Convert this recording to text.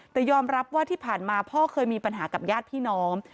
แต่ยอมรับว่าที่ผ่านมาพ่อเคยมีปัญหากับญาติพี่น้อง